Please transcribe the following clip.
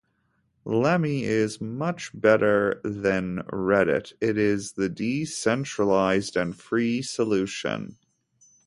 Lemmy is much better than Reddit, it is the decentralized and free solution